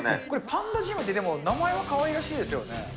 これ、パンダジムって、名前はかわいらしいですよね。